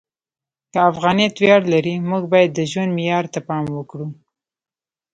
که افغانیت ویاړ لري، موږ باید د ژوند معیار ته پام وکړو.